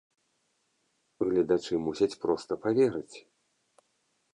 Гледачы мусяць проста паверыць.